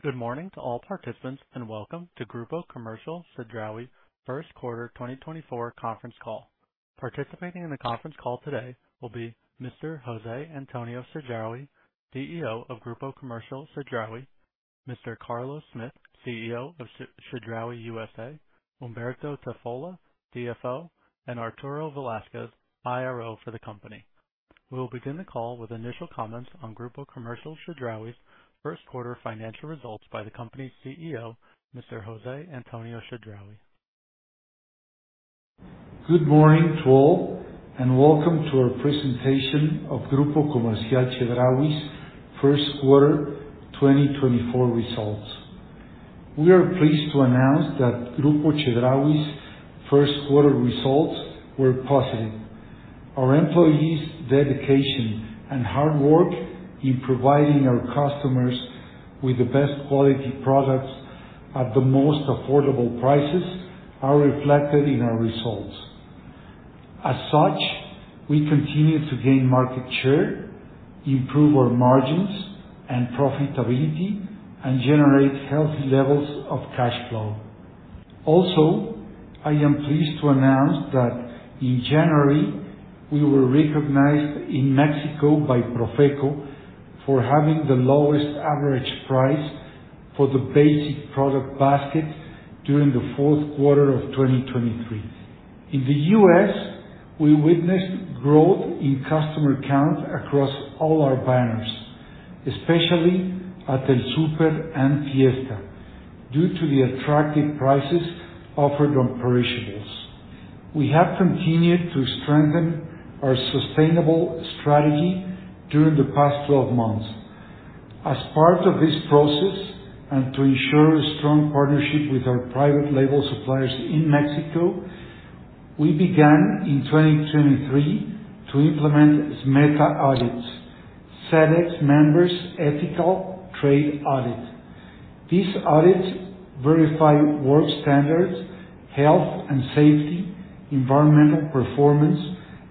Good morning to all participants, and welcome to Grupo Comercial Chedraui First Quarter 2024 Conference Call. Participating in the conference call today will be Mr. José Antonio Chedraui, CEO of Grupo Comercial Chedraui, Mr. Carlos Smith, CEO of Chedraui U.S.A., Humberto Tafolla, CFO, and Arturo Velázquez, IRO for the company. We will begin the call with initial comments on Grupo Comercial Chedraui's first quarter financial results by the company's CEO, Mr. José Antonio Chedraui. Good morning to all, and welcome to our presentation of Grupo Comercial Chedraui's first quarter 2024 results. We are pleased to announce that Grupo Chedraui's first quarter results were positive. Our employees' dedication and hard work in providing our customers with the best quality products at the most affordable prices are reflected in our results. As such, we continue to gain market share, improve our margins and profitability, and generate healthy levels of cash flow. Also, I am pleased to announce that in January, we were recognized in Mexico by Profeco for having the lowest average price for the basic product basket during the fourth quarter of 2023. In the U.S., we witnessed growth in customer count across all our banners, especially at El Super and Fiesta, due to the attractive prices offered on perishables. We have continued to strengthen our sustainable strategy during the past 12 months. As part of this process, and to ensure a strong partnership with our private label suppliers in Mexico, we began in 2023 to implement SMETA audits, Sedex Members Ethical Trade Audit. These audits verify work standards, health and safety, environmental performance,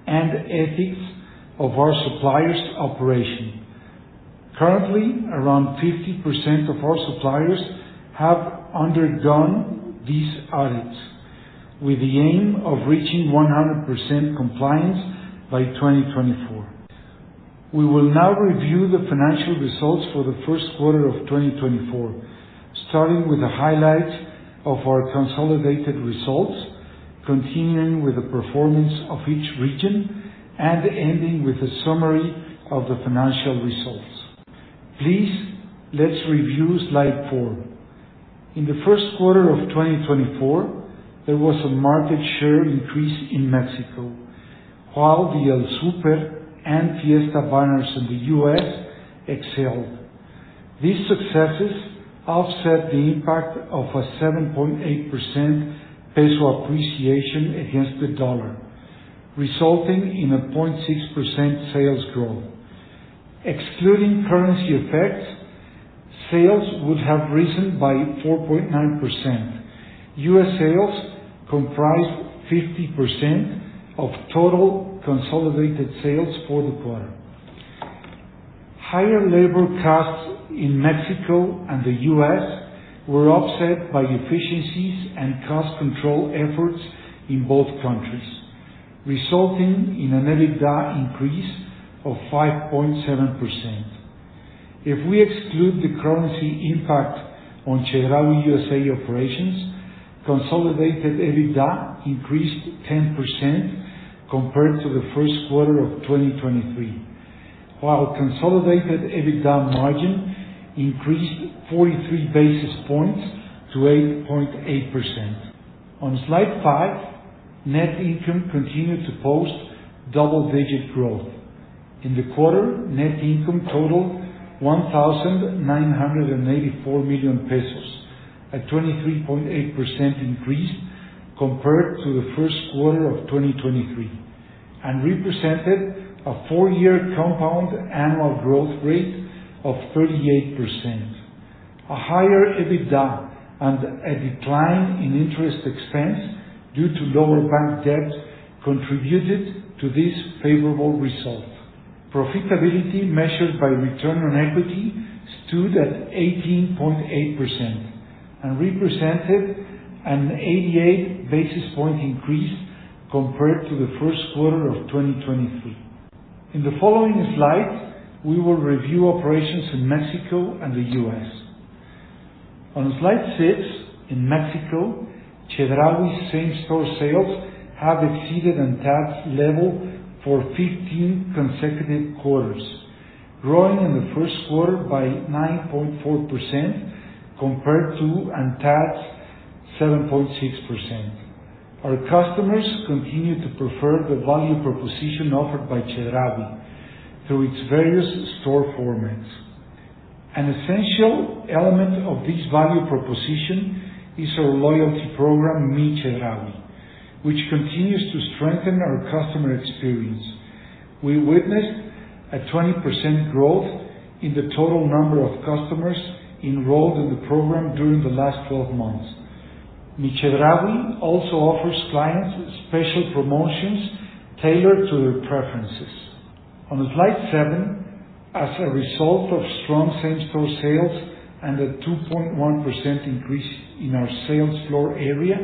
and ethics of our suppliers' operation. Currently, around 50% of our suppliers have undergone these audits, with the aim of reaching 100% compliance by 2024. We will now review the financial results for the first quarter of 2024, starting with the highlights of our consolidated results, continuing with the performance of each region, and ending with a summary of the financial results. Please, let's review slide four. In the first quarter of 2024, there was a market share increase in Mexico, while the El Super and Fiesta banners in the U.S. excelled. These successes offset the impact of a 7.8% peso appreciation against the dollar, resulting in a 0.6% sales growth. Excluding currency effects, sales would have risen by 4.9%. U.S. sales comprise 50% of total consolidated sales for the quarter. Higher labor costs in Mexico and the U.S. were offset by efficiencies and cost control efforts in both countries, resulting in an EBITDA increase of 5.7%. If we exclude the currency impact on Chedraui U.S.A. operations, consolidated EBITDA increased 10% compared to the first quarter of 2023, while consolidated EBITDA margin increased 43 basis points to 8.8%. On slide five, net income continued to post double-digit growth. In the quarter, net income totaled 1,984 million pesos, a 23.8% increase compared to the first quarter of 2023, and represented a four-year compound annual growth rate of 38%. A higher EBITDA and a decline in interest expense due to lower bank debt contributed to this favorable result. Profitability, measured by return on equity, stood at 18.8% and represented an 88 basis point increase compared to the first quarter of 2023. In the following slide, we will review operations in Mexico and the U.S. On slide six, in Mexico, Chedraui's same-store sales have exceeded inflation level for 15 consecutive quarters, growing in the first quarter by 9.4% compared to ANTAD's 7.6%. Our customers continue to prefer the value proposition offered by Chedraui through its various store formats. An essential element of this value proposition is our loyalty program, MiChedraui, which continues to strengthen our customer experience. We witnessed a 20% growth in the total number of customers enrolled in the program during the last 12 months. MiChedraui also offers clients special promotions tailored to their preferences. On slide seven, as a result of strong same-store sales and a 2.1% increase in our sales floor area,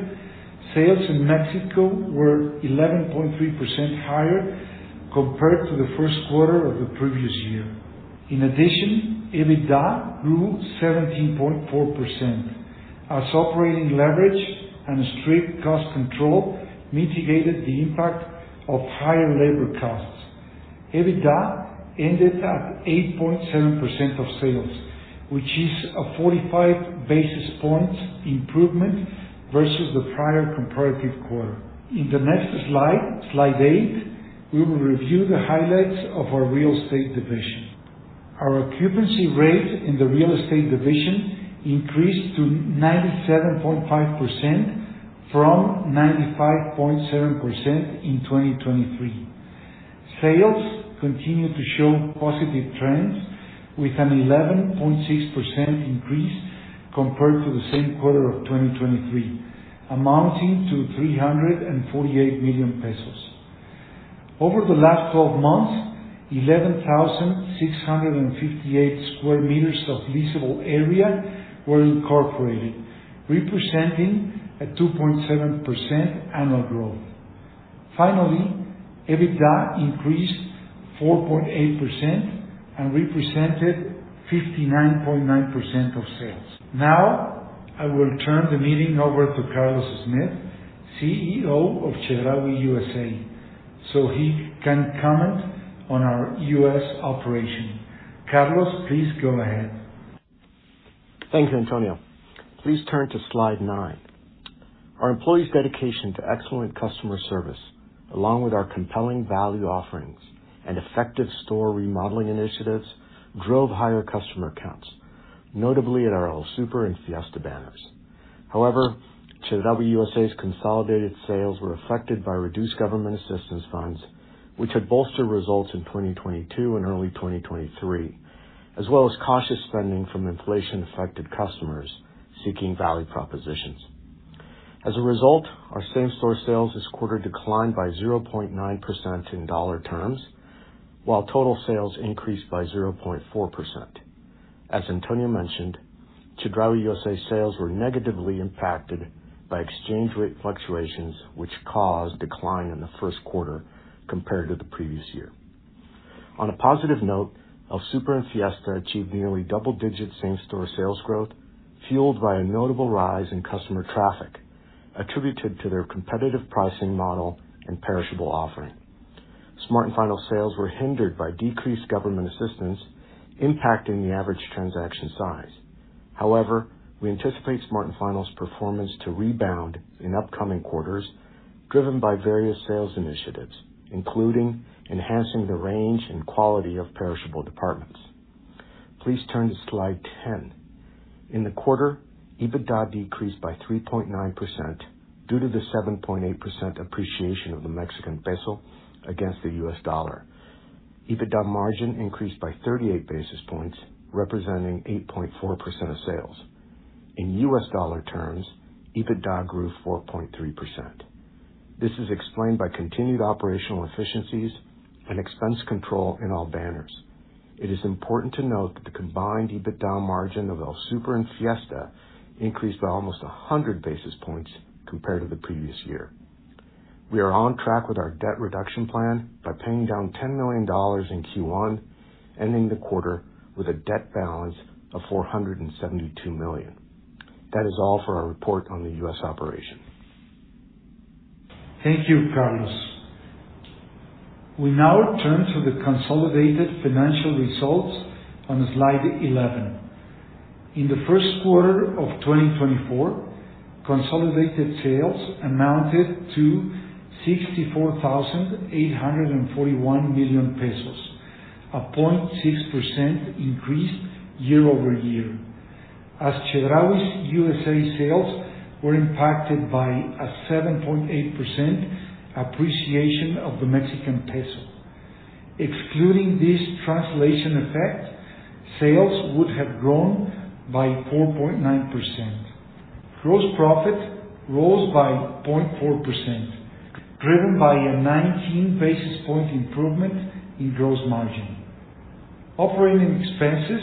sales in Mexico were 11.3% higher compared to the first quarter of the previous year. In addition, EBITDA grew 17.4%, as operating leverage and strict cost control mitigated the impact of higher labor costs. EBITDA ended at 8.7% of sales, which is a 45 basis points improvement versus the prior comparative quarter. In the next slide, slide eight, we will review the highlights of our real estate division. Our occupancy rate in the real estate division increased to 97.5% from 95.7% in 2023. Sales continue to show positive trends, with an 11.6% increase compared to the same quarter of 2023, amounting to 348 million pesos. Over the last 12 months, 11,658 sqm of leasable area were incorporated, representing a 2.7% annual growth. Finally, EBITDA increased 4.8% and represented 59.9% of sales. Now, I will turn the meeting over to Carlos Smith, CEO of Chedraui U.S.A., so he can comment on our U.S. operation. Carlos, please go ahead. Thank you, Antonio. Please turn to slide nine. Our employees' dedication to excellent customer service, along with our compelling value offerings and effective store remodeling initiatives, drove higher customer counts, notably at our El Super and Fiesta banners. However, Chedraui U.S.A.'s consolidated sales were affected by reduced government assistance funds, which had bolstered results in 2022 and early 2023, as well as cautious spending from inflation-affected customers seeking value propositions. As a result, our same-store sales this quarter declined by 0.9% in dollar terms, while total sales increased by 0.4%. As Antonio mentioned, Chedraui U.S.A. sales were negatively impacted by exchange rate fluctuations, which caused decline in the first quarter compared to the previous year. On a positive note, El Super and Fiesta achieved nearly double-digit same-store sales growth, fueled by a notable rise in customer traffic, attributed to their competitive pricing model and perishable offering. Smart & Final sales were hindered by decreased government assistance, impacting the average transaction size. However, we anticipate Smart & Final's performance to rebound in upcoming quarters, driven by various sales initiatives, including enhancing the range and quality of perishable departments. Please turn to slide 10. In the quarter, EBITDA decreased by 3.9% due to the 7.8% appreciation of the Mexican peso against the U.S. dollar. EBITDA margin increased by 38 basis points, representing 8.4% of sales. In U.S. dollar terms, EBITDA grew 4.3%. This is explained by continued operational efficiencies and expense control in all banners. It is important to note that the combined EBITDA margin of El Super and Fiesta increased by almost 100 basis points compared to the previous year. We are on track with our debt reduction plan by paying down $10 million in Q1, ending the quarter with a debt balance of $472 million. That is all for our report on the U.S. operation. Thank you, Carlos. We now turn to the consolidated financial results on slide 11. In the first quarter of 2024, consolidated sales amounted to 64,841 million pesos, a 0.6% increase year-over-year, as Chedraui U.S.A. sales were impacted by a 7.8% appreciation of the Mexican peso. Excluding this translation effect, sales would have grown by 4.9%. Gross profit rose by 0.4%, driven by a 19 basis point improvement in gross margin. Operating expenses,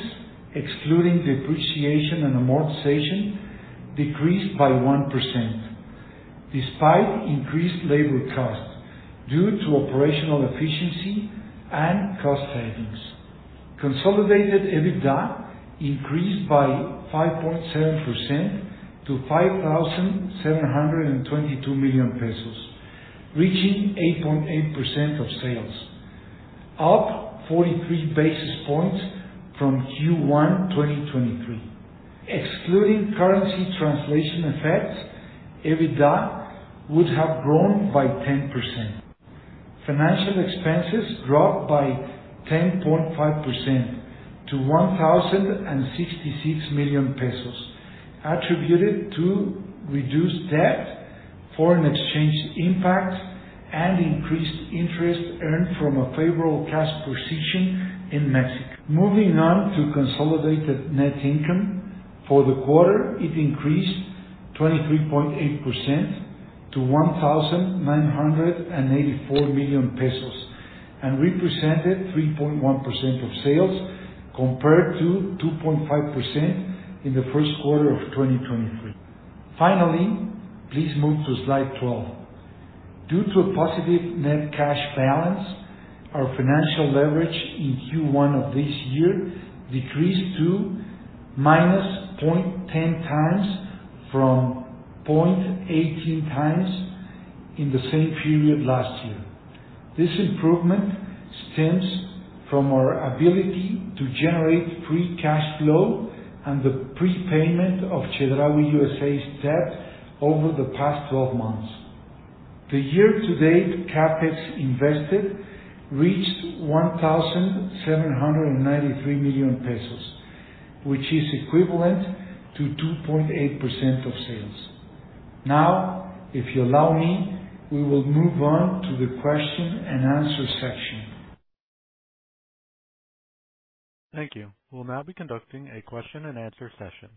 excluding depreciation and amortization, decreased by 1%, despite increased labor costs, due to operational efficiency and cost savings. Consolidated EBITDA increased by 5.7% to 5,722 million pesos, reaching 8.8% of sales, up 43 basis points from Q1 2023. Excluding currency translation effects, EBITDA would have grown by 10%. Financial expenses dropped by 10.5% to 1,066 million pesos, attributed to reduced debt, foreign exchange impact, and increased interest earned from a favorable cash position in Mexico. Moving on to consolidated net income. For the quarter, it increased 23.8% to MXN 1,984 million, and represented 3.1% of sales compared to 2.5% in the first quarter of 2023. Finally, please move to slide 12. Due to a positive net cash balance, our financial leverage in Q1 of this year decreased to -0.10x from 0.18x in the same period last year. This improvement stems from our ability to generate free cash flow and the prepayment of Chedraui U.S.A.'s debt over the past 12 months. The year-to-date CapEx invested reached 1,793 million pesos, which is equivalent to 2.8% of sales. Now, if you allow me, we will move on to the question and answer section. Thank you. We'll now be conducting a question and answer session.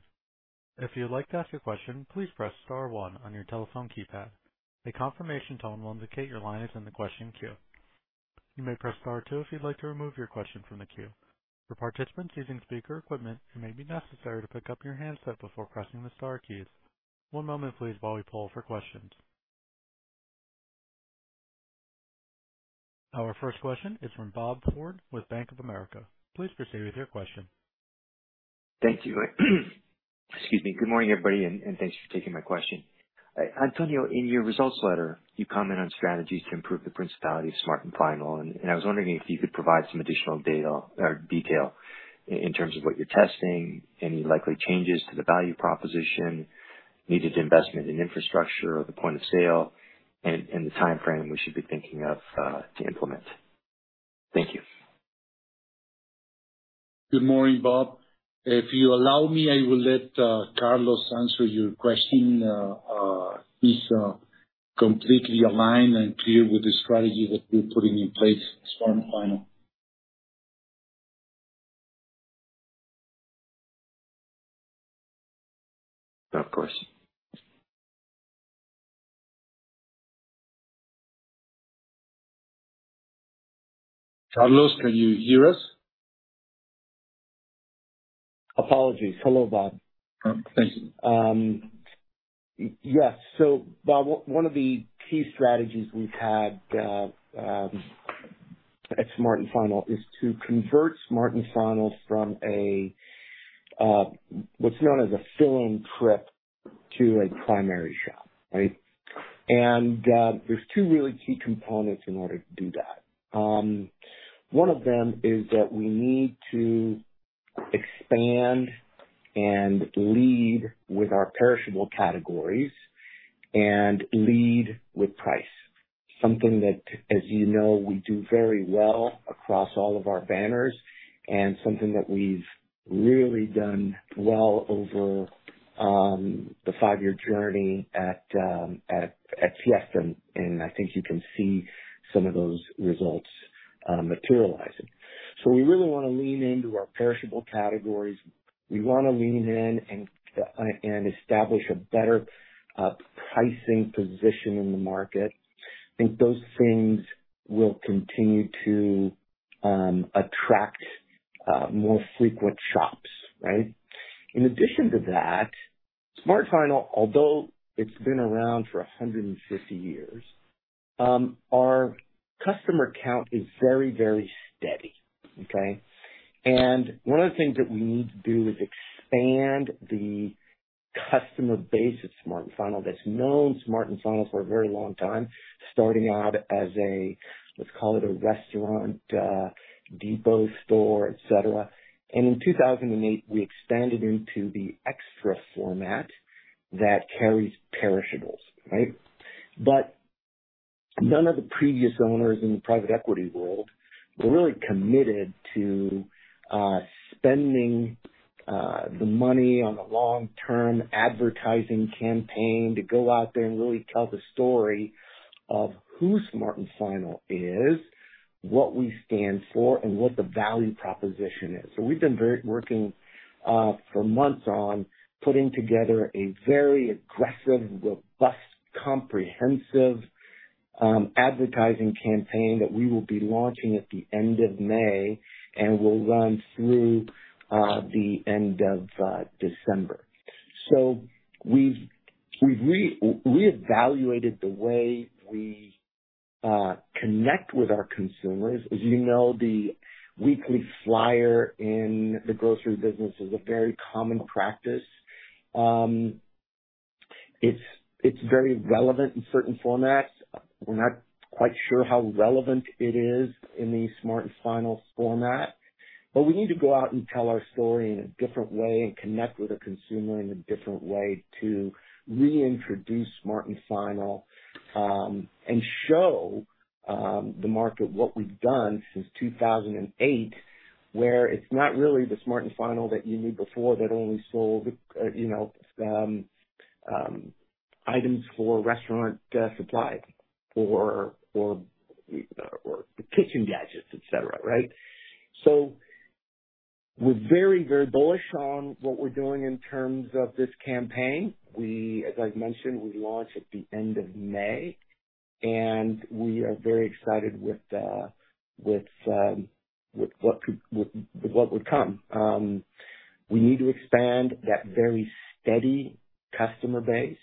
If you'd like to ask a question, please press star one on your telephone keypad. A confirmation tone will indicate your line is in the question queue. You may press star two if you'd like to remove your question from the queue. For participants using speaker equipment, it may be necessary to pick up your handset before pressing the star keys. One moment, please, while we poll for questions. Our first question is from Bob Ford with Bank of America. Please proceed with your question. Thank you. Excuse me. Good morning, everybody, and, and thanks for taking my question. Antonio, in your results letter, you comment on strategies to improve the profitability of Smart & Final, and, and I was wondering if you could provide some additional data, or detail, in terms of what you're testing, any likely changes to the value proposition, needed investment in infrastructure or the point of sale, and, and the timeframe we should be thinking of, to implement. Thank you. Good morning, Bob. If you allow me, I will let Carlos answer your question. He's completely aligned and clear with the strategy that we're putting in place at Smart & Final. Of course. Carlos, can you hear us? Apologies. Hello, Bob. Thank you. Yes. So Bob, one of the key strategies we've had at Smart & Final is to convert Smart & Final from a what's known as a fill-in trip to a primary shop, right? There's two really key components in order to do that. One of them is that we need to expand and lead with our perishable categories and lead with price. Something that, as you know, we do very well across all of our banners and something that we've really done well over the five-year journey at, and I think you can see some of those results materializing. We really want to lean into our perishable categories. We want to lean in and establish a better pricing position in the market. I think those things will continue to attract more frequent shops, right? In addition to that, Smart & Final, although it's been around for 150 years, our customer count is very, very steady, okay? And one of the things that we need to do is expand the customer base at Smart & Final, that's known Smart & Final for a very long time, starting out as a, let's call it a restaurant depot store, et cetera. And in 2008, we expanded into the extra format that carries perishables, right? But none of the previous owners in the private equity world were really committed to spending the money on a long-term advertising campaign to go out there and really tell the story of who Smart & Final is, what we stand for, and what the value proposition is. So we've been working for months on putting together a very aggressive, robust, comprehensive advertising campaign that we will be launching at the end of May and will run through the end of December. So we've reevaluated the way we connect with our consumers. As you know, the weekly flyer in the grocery business is a very common practice. It's very relevant in certain formats. We're not quite sure how relevant it is in the Smart & Final format, but we need to go out and tell our story in a different way and connect with the consumer in a different way to reintroduce Smart & Final, and show the market what we've done since 2008, where it's not really the Smart & Final that you knew before, that only sold, you know, items for restaurant supplies or kitchen gadgets, et cetera, right? We're very, very bullish on what we're doing in terms of this campaign. We, as I've mentioned, we launch at the end of May, and we are very excited with what would come. We need to expand that very steady customer base,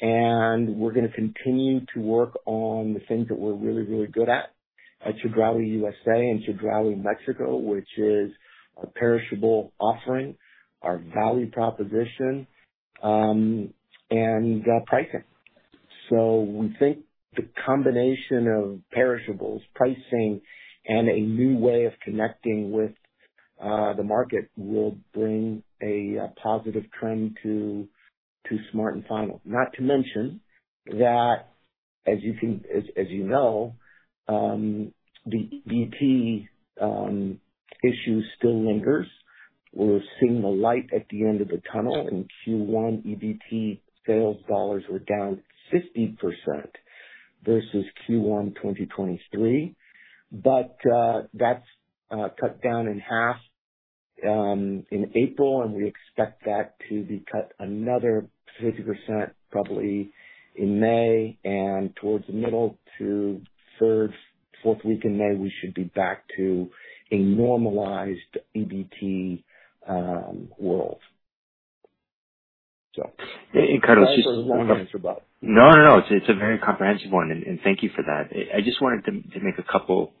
and we're gonna continue to work on the things that we're really, really good at, at Chedraui U.S.A. and Chedraui Mexico, which is our perishable offering, our value proposition, and pricing. So we think the combination of perishables, pricing, and a new way of connecting with the market will bring a positive trend to Smart & Final. Not to mention that, as you know, the EBT issue still lingers. We're seeing the light at the end of the tunnel. In Q1, EBT sales dollars were down 50% versus Q1, 2023. But that's cut down in half in April, and we expect that to be cut another 50% probably in May, and towards the middle to third, fourth week in May, we should be back to a normalized EBT world. So- Carlos- Sorry for the long answer, Bob. No, no, no. It's, it's a very comprehensive one, and thank you for that. I just wanted to make a couple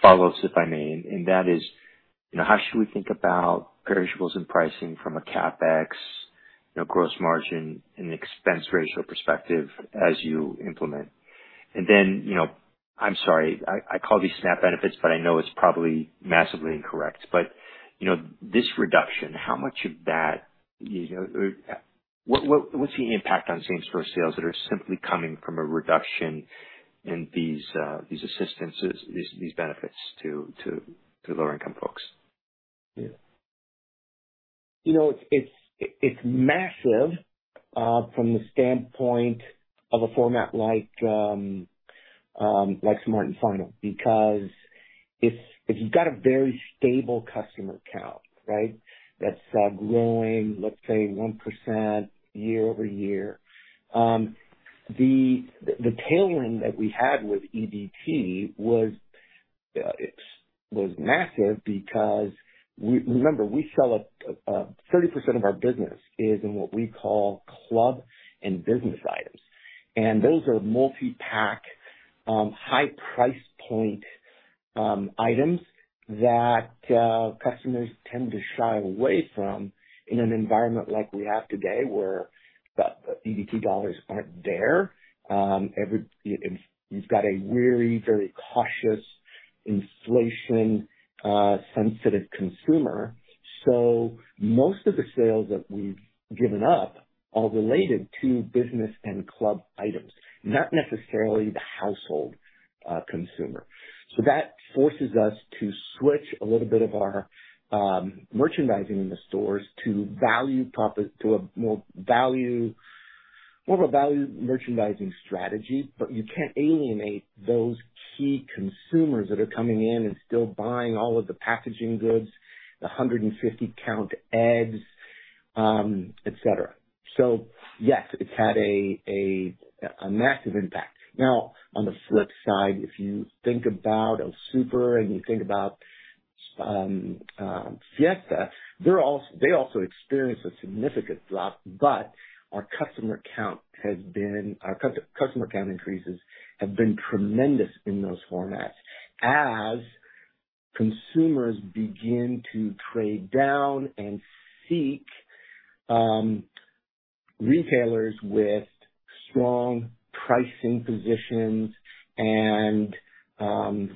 follow-ups, if I may, and that is, you know, how should we think about perishables and pricing from a CapEx, you know, gross margin, and expense ratio perspective as you implement? And then, you know, I'm sorry, I call these SNAP benefits, but I know it's probably massively incorrect, but, you know, this reduction, how much of that, you know, what's the impact on same-store sales that are simply coming from a reduction in these, these benefits to lower income folks? Yeah. You know, it's massive, from the standpoint of a format like Smart & Final, because if you've got a very stable customer count, right? That's growing, let's say 1% year-over-year, the tailwind that we had with EBT was, it was massive because we, remember, we sell 30% of our business is in what we call club and business items. And those are multi-pack, high price point items that customers tend to shy away from in an environment like we have today, where the EBT dollars aren't there. You've got a very, very cautious inflation sensitive consumer. So most of the sales that we've given up are related to business and club items, not necessarily the household consumer. So that forces us to switch a little bit of our merchandising in the stores to a more value, more of a value merchandising strategy, but you can't alienate those key consumers that are coming in and still buying all of the packaging goods, the 150-count eggs, et cetera. So yes, it's had a massive impact. Now, on the flip side, if you think about El Super and you think about Fiesta, they also experienced a significant drop, but our customer count increases have been tremendous in those formats. As consumers begin to trade down and seek retailers with strong pricing positions and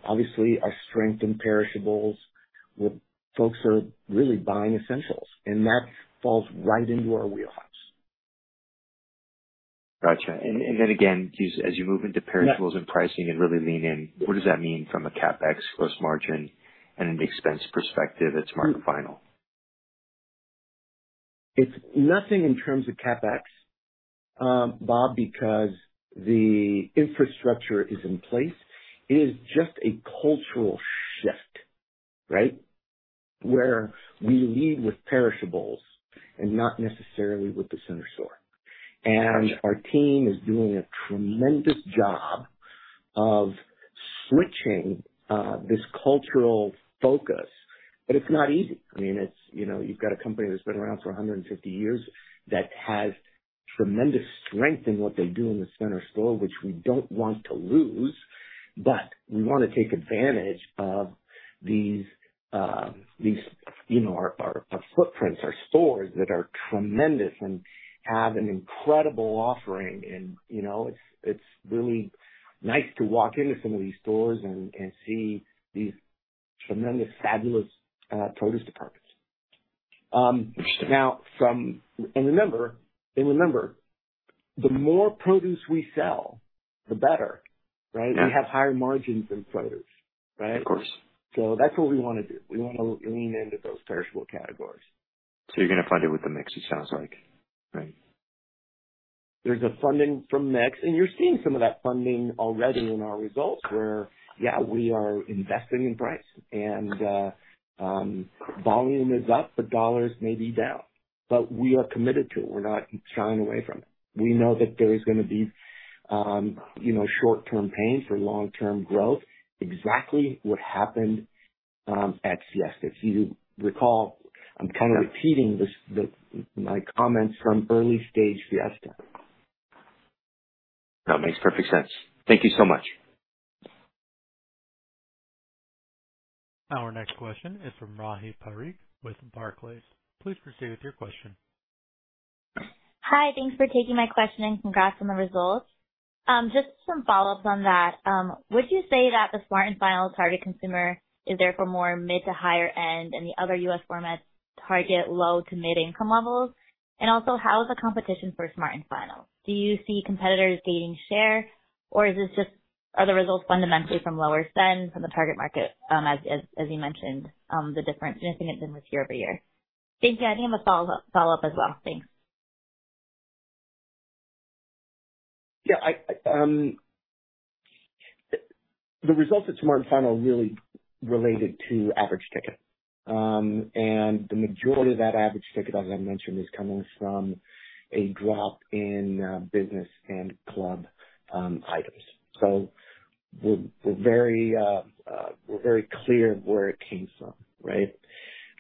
obviously, our strength in perishables, well, folks are really buying essentials, and that falls right into our wheelhouse. Gotcha. And then again, as you move into perishables and pricing and really lean in, what does that mean from a CapEx gross margin and an expense perspective at Smart & Final? It's nothing in terms of CapEx, Bob, because the infrastructure is in place. It is just a cultural shift, right? Where we lead with perishables and not necessarily with the center store. Gotcha. Our team is doing a tremendous job of switching this cultural focus, but it's not easy. I mean, it's, you know, you've got a company that's been around for 150 years that has tremendous strength in what they do in the center store, which we don't want to lose, but we want to take advantage of these, these, you know, our, our, our footprints, our stores that are tremendous and have an incredible offering. And, you know, it's, it's really nice to walk into some of these stores and, and see these tremendous, fabulous produce departments. And remember, and remember, the more produce we sell, the better, right? Yeah. We have higher margins in produce, right? Of course. So that's what we wanna do. We wanna lean into those perishable categories. You're gonna find it with the mix, it sounds like, right? ...There's a funding from mix, and you're seeing some of that funding already in our results, where, yeah, we are investing in price, and volume is up, but dollars may be down. But we are committed to it. We're not shying away from it. We know that there is gonna be, you know, short-term pain for long-term growth. Exactly what happened at Fiesta. If you recall, I'm kind of repeating this, my comments from early stage Fiesta. No, it makes perfect sense. Thank you so much. Our next question is from Rahi Parikh with Barclays. Please proceed with your question. Hi, thanks for taking my question, and congrats on the results. Just some follow-ups on that. Would you say that the Smart & Final target consumer is therefore more mid to higher end, and the other U.S. formats target low to mid income levels? And also, how is the competition for Smart & Final? Do you see competitors gaining share, or is this just, are the results fundamentally from lower spend from the target market, as you mentioned, the difference, and I think it was year-over-year. Thank you. I have a follow-up as well. Thanks. Yeah, the results at Smart & Final really related to average ticket. And the majority of that average ticket, as I mentioned, is coming from a drop in business and club items. So we're very clear where it came from, right?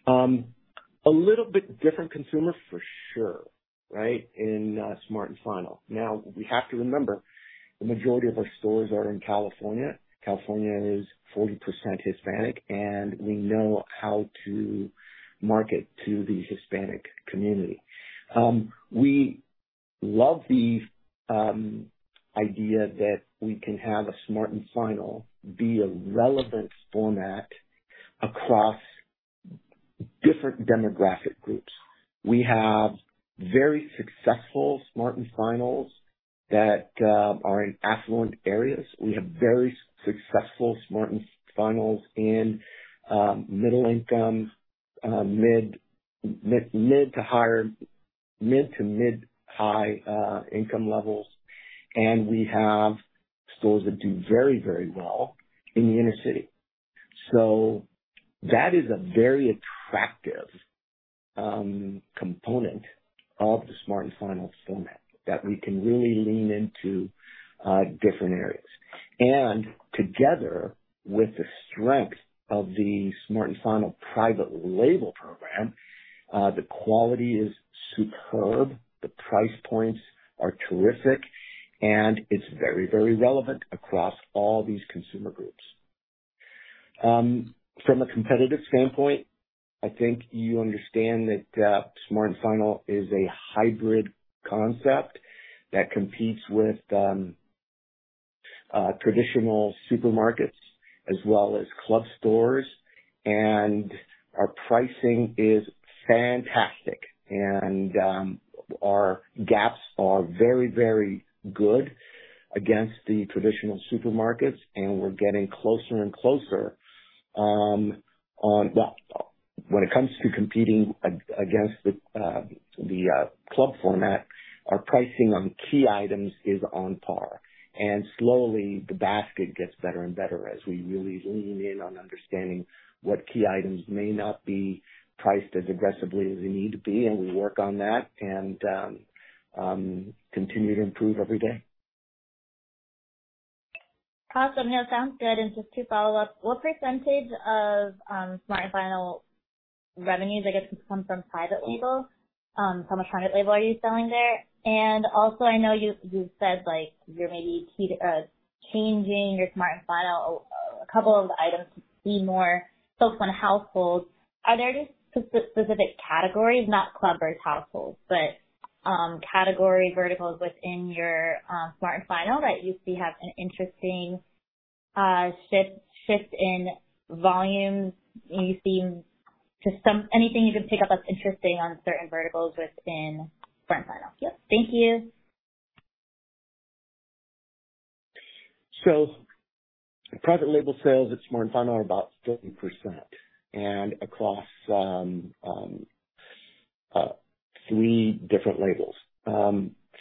A little bit different consumer for sure, right, in Smart & Final. Now, we have to remember, the majority of our stores are in California. California is 40% Hispanic, and we know how to market to the Hispanic community. We love the idea that we can have a Smart & Final be a relevant format across different demographic groups. We have very successful Smart & Finals that are in affluent areas. We have very successful Smart & Finals in middle income, mid- to mid-high income levels. We have stores that do very, very well in the inner city. So that is a very attractive component of the Smart & Final format, that we can really lean into different areas. And together with the strength of the Smart & Final private label program, the quality is superb, the price points are terrific, and it's very, very relevant across all these consumer groups. From a competitive standpoint, I think you understand that Smart & Final is a hybrid concept that competes with traditional supermarkets as well as club stores, and our pricing is fantastic. And our gaps are very, very good against the traditional supermarkets, and we're getting closer and closer on... Well, when it comes to competing against the club format, our pricing on key items is on par, and slowly the basket gets better and better as we really lean in on understanding what key items may not be priced as aggressively as they need to be, and we work on that and continue to improve every day. Awesome. No, sounds good. And just to follow up, what percentage of Smart & Final revenues, I guess, come from private label? How much private label are you selling there? And also, I know you said, like, you're maybe changing your Smart & Final, a couple of the items to be more focused on households. Are there any specific categories, not club versus households, but category verticals within your Smart & Final that you see have an interesting shift in volume? Anything you can pick up that's interesting on certain verticals within Smart & Final? Yeah, thank you. So private label sales at Smart & Final are about 30% and across three different labels.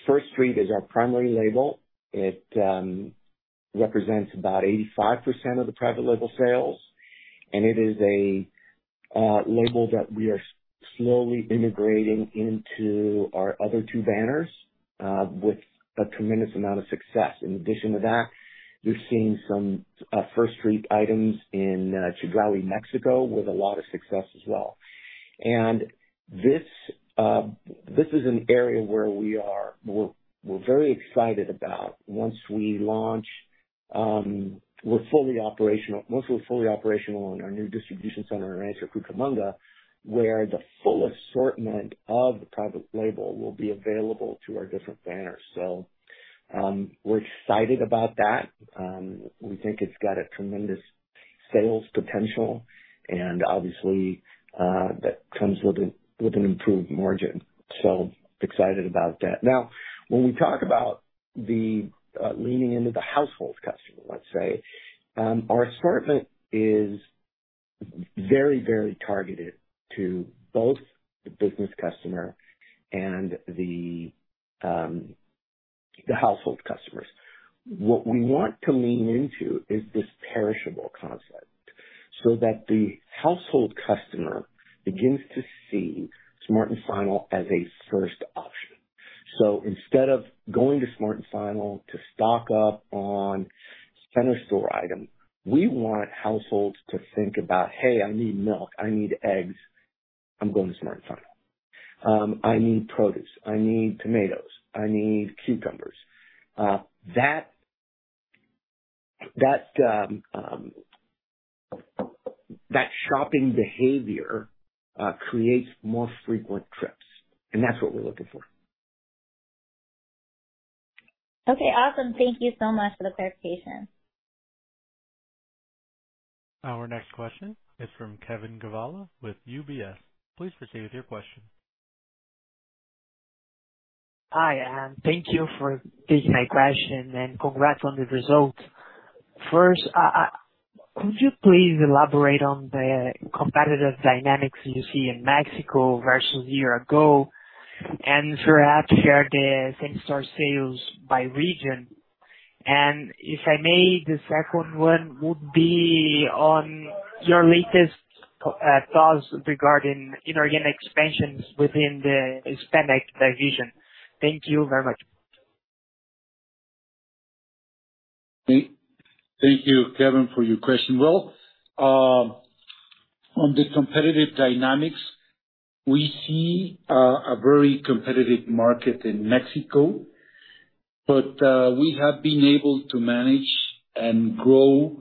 First Street is our primary label. It represents about 85% of the private label sales, and it is a label that we are slowly integrating into our other two banners with a tremendous amount of success. In addition to that, you're seeing some First Street items in Chedraui Mexico with a lot of success as well. And this is an area where we are very excited about once we launch, once we're fully operational in our new distribution center in Rancho Cucamonga, where the full assortment of the private label will be available to our different banners. So, we're excited about that. We think it's got a tremendous sales potential, and obviously, that comes with an improved margin. So excited about that. Now, when we talk about the leaning into the household customer, let's say, our assortment is very, very targeted to both the business customer and the household customers. What we want to lean into is this perishable concept, so that the household customer begins to see Smart & Final as a first option. So instead of going to Smart & Final to stock up on center store item, we want households to think about, "Hey, I need milk, I need eggs, I'm going to Smart & Final. I need produce, I need tomatoes, I need cucumbers." That shopping behavior creates more frequent trips, and that's what we're looking for. Okay, awesome. Thank you so much for the clarification. Our next question is from Kevin Gavala with UBS. Please proceed with your question. Hi, and thank you for taking my question, and congrats on the result. First, could you please elaborate on the competitive dynamics you see in Mexico versus a year ago, and perhaps share the same-store sales by region? And if I may, the second one would be on your latest thoughts regarding inorganic expansions within the Hispanic division. Thank you very much. Thank you, Kevin, for your question. Well, on the competitive dynamics, we see a very competitive market in Mexico, but we have been able to manage and grow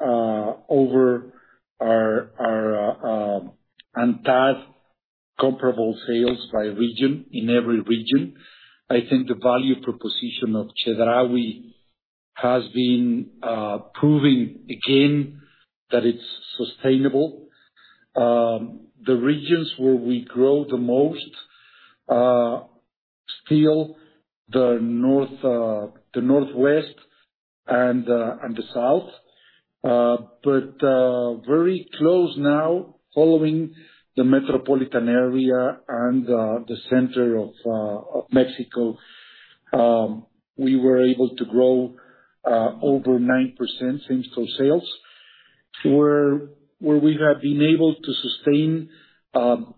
over our underlying comparable sales by region, in every region. I think the value proposition of Chedraui has been proving again that it's sustainable. The regions where we grow the most, still the north, the northwest and the south, but very close now, following the metropolitan area and the center of Mexico. We were able to grow over 9% same-store sales, where we have been able to sustain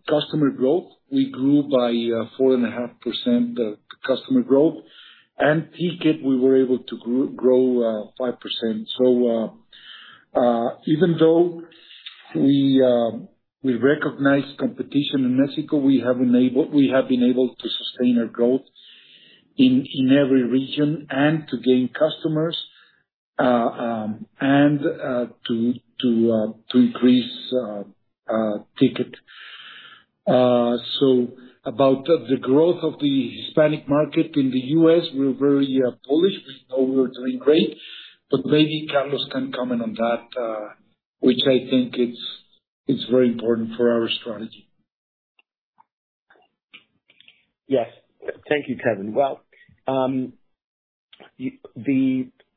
customer growth. We grew by 4.5% customer growth, and ticket, we were able to grow 5%. So, even though we recognize competition in Mexico, we have been able to sustain our growth in every region and to gain customers, and to increase ticket. So about the growth of the Hispanic market in the U.S., we're very bullish. We know we are doing great, but maybe Carlos can comment on that, which I think it's very important for our strategy. Yes. Thank you, Kevin. Well,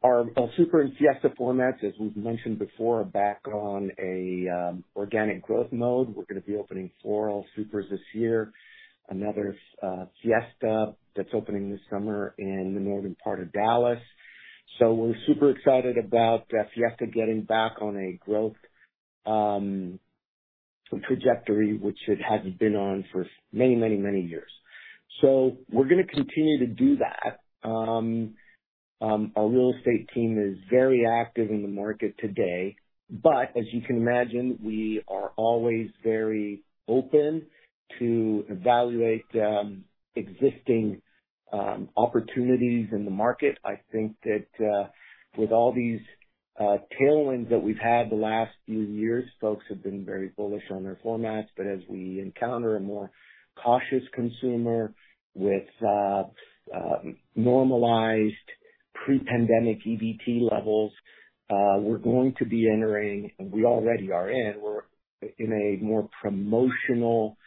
our Super and Fiesta formats, as we've mentioned before, are back on a organic growth mode. We're gonna be opening four Super this year, another Fiesta that's opening this summer in the northern part of Dallas. So we're super excited about Fiesta getting back on a growth trajectory, which it hadn't been on for many, many, many years. So we're gonna continue to do that. Our real estate team is very active in the market today, but as you can imagine, we are always very open to evaluate existing opportunities in the market. I think that with all these tailwinds that we've had the last few years, folks have been very bullish on their formats. But as we encounter a more cautious consumer with normalized pre-pandemic EBT levels, we're going to be entering, and we already are in, we're in a more promotional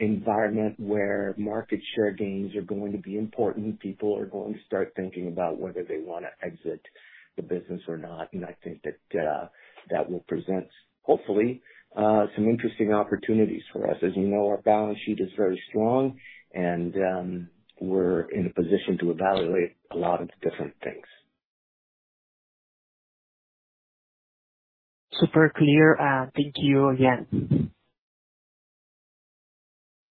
environment where market share gains are going to be important. People are going to start thinking about whether they wanna exit the business or not, and I think that will present, hopefully, some interesting opportunities for us. As you know, our balance sheet is very strong and, we're in a position to evaluate a lot of different things. Super clear. Thank you again.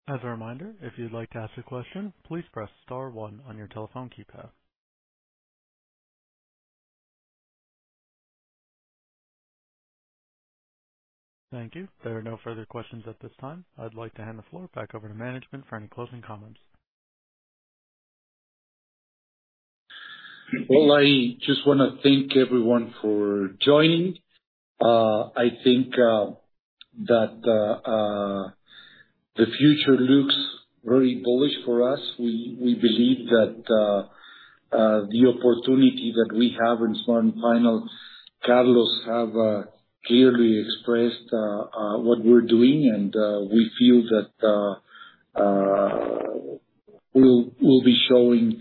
As a reminder, if you'd like to ask a question, please press star one on your telephone keypad. Thank you. There are no further questions at this time. I'd like to hand the floor back over to management for any closing comments. Well, I just wanna thank everyone for joining. I think that the future looks very bullish for us. We believe that the opportunity that we have in Smart & Final, Carlos have clearly expressed what we're doing, and we feel that we'll be showing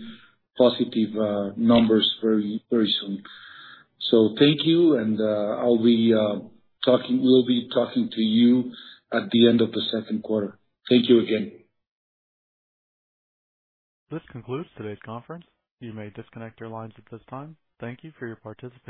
positive numbers very, very soon. So thank you, and I'll be talking... We'll be talking to you at the end of the second quarter. Thank you again. This concludes today's conference. You may disconnect your lines at this time. Thank you for your participation.